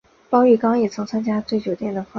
包玉刚也曾参与对酒店的设计方案的修改。